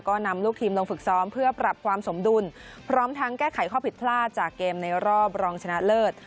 ก็นำลูกทีมลงฝึกซ้อมเพื่อปรับความสมดุลพร้อมทั้งแก้ไขข้อผิดพลาดจากเกมในรอบรองชนะเลิศ